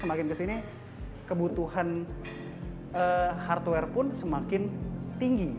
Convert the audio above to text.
semakin ke sini kebutuhan hardware pun semakin tinggi